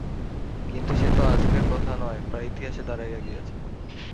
কিন্তু সে তো আজকের কথা নয়, প্রায় ইতিহাসে দাড়াইয়া গিয়াছে।